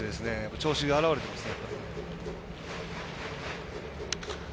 調子が表れてますね。